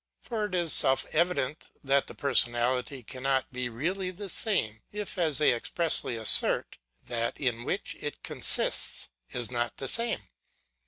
For it is self evident, that the personality cannot be really the same, if, as they expressly assert, that in which it consists is not the same.